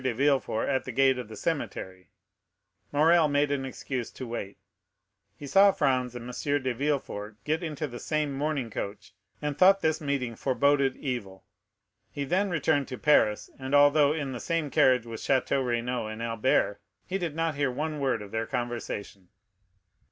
de Villefort; at the gate of the cemetery Morrel made an excuse to wait; he saw Franz and M. de Villefort get into the same mourning coach, and thought this meeting forboded evil. He then returned to Paris, and although in the same carriage with Château Renaud and Albert, he did not hear one word of their conversation.